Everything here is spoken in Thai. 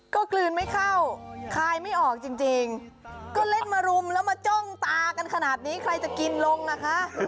ก็กลืนไม่เข้าคายไม่ออกจริงก็เล่นมารุมแล้วมาจ้องตากันขนาดนี้ใครจะกินลงอ่ะคะ